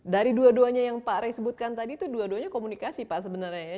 dari dua duanya yang pak rey sebutkan tadi itu dua duanya komunikasi pak sebenarnya ya